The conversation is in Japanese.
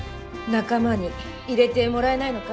仲間に入れてもらえないのかい？